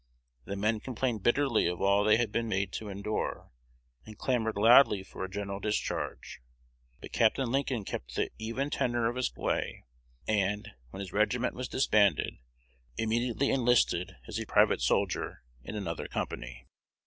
The men complained bitterly of all they had been made to endure, and clamored loudly for a general discharge. But Capt. Lincoln kept the "even tenor of his way;" and, when his regiment was disbanded, immediately enlisted as a private soldier in another company.